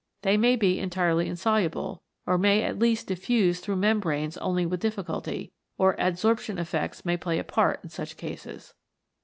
They may be entirely insoluble, or may at least diffuse through membranes only with difficulty, or adsorption effects may play a part in such cases.